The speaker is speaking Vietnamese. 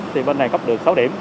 thì bên này có được sáu điểm